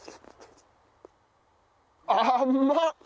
ああうまっ！